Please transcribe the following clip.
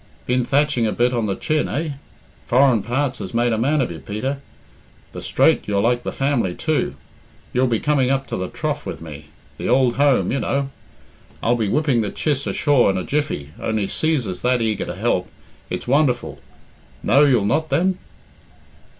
Been thatching a bit on the chin, eh? Foreign parts has made a man of you, Peter. The straight you're like the family, too! You'll be coming up to the trough with me the ould home, you know. I'll be whipping the chiss ashore in a jiffy, only Cæsar's that eager to help, it's wonderful. No, you'll not then?"